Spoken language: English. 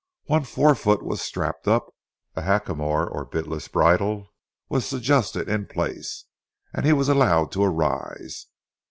One fore foot was strapped up, a hackamore or bitless bridle was adjusted in place, and he was allowed to arise.